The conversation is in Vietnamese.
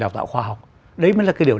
đào tạo khoa học đấy mới là cái điều